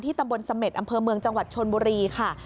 ตำบลเสม็ดอำเภอเมืองจังหวัดชนบุรีค่ะ